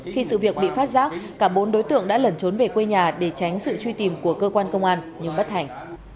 khi sự việc bị phát giác cả bốn đối tượng đã lẩn trốn về quê nhà để tránh sự truy tìm của cơ quan công an nhưng bất thành